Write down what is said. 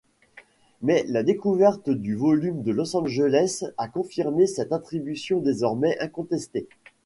Mais la découverte du volume de Los Angeles a confirmé cette attribution désormais incontestée.